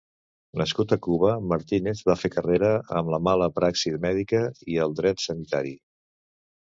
Nascut a Cuba, Martínez va fer carrera amb la mala praxi mèdica i el dret sanitari.